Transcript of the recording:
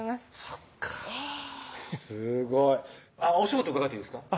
そっかすごいお仕事伺っていいですか？